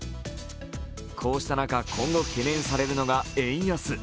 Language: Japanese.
こうした中、今後懸念されるのが円安。